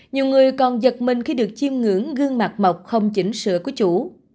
nhiều người còn giật mình khi được chiêm ngưỡng gương mặt mọc không chỉnh sửa của chủ